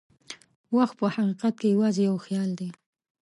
وخت په حقیقت کې یوازې یو خیال دی.